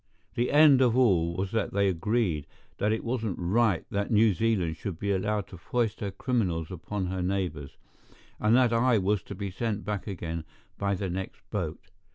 The end of all was that they agreed that it wasn't right that New Zealand should be allowed to foist her criminals upon her neighbors, and that I was to be sent back again by the next boat.